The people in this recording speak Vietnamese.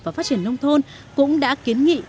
và phát triển nông thôn cũng đã kiến nghị